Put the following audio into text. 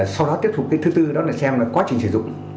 sau đó tiếp tục cái thứ tư đó là xem là quá trình sử dụng